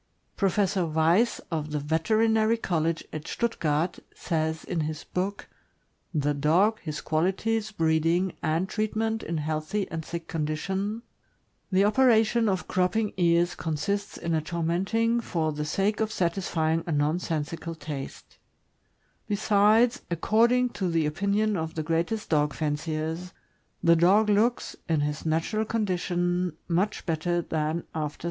Professor Weiss, of the Veter inary College at Stuttgart, says in his book, " The Dog, His Qualities, Breeding, and Treatment in Healthy and Sick Condition:" The operation of cropping ears consists in a tormenting for the sake of satisfying a nonsensical taste; besides, according to the opinion of the greatest dog fanciers, the dog looks, in his natural condition, much better than after THE GREAT DANE.